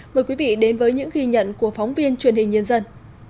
mời quý vị đến với những ghi nhận của phóng viên truyền hình nhân dân